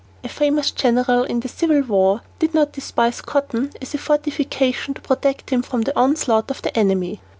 A famous general in the Civil War did not despise cotton as a fortification to protect him from the onslaught of the enemy.